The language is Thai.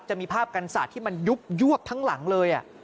จะมีภาพกันศาสตร์ที่มันยุบยวกทั้งหลังเลย